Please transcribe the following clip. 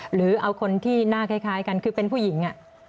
หรือเอาคนที่หน้าคล้ายกันคือเป็นผู้หญิง